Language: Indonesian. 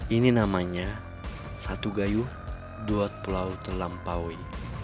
ini namanya satu gayu duat pulau telam pawe